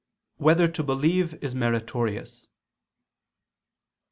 9] Whether to Believe Is Meritorious?